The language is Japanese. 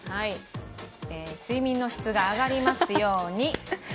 「睡眠の質が上がりますように」。